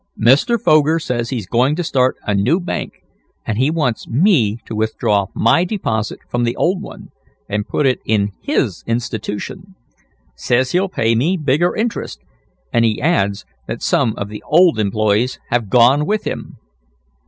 "Mr. Foger says he's going to start a new bank, and he wants me to withdraw my deposit from the old one, and put it in his institution. Says he'll pay me bigger interest. And he adds that some of the old employees have gone with him."